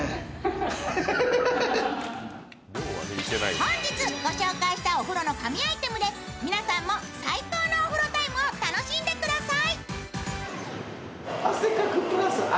本日、ご紹介したお風呂の神アイテムで皆さんも最高のお風呂タイムを楽しんでください。